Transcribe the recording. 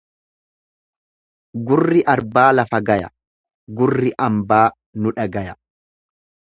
Gurri arbaa lafa gaya, gurri ambaa nu dhagaya.